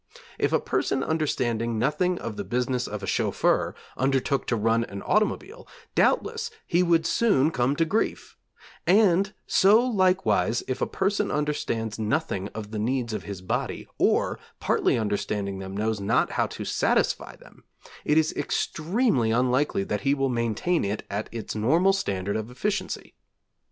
If a person understanding nothing of the business of a chauffeur undertook to run an automobile, doubtless he would soon come to grief; and so likewise if a person understands nothing of the needs of his body, or partly understanding them knows not how to satisfy them, it is extremely unlikely that he will maintain it at its normal standard of efficiency.